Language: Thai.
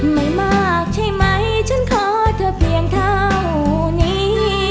ไม่มากใช่ไหมฉันขอเธอเพียงเท่านี้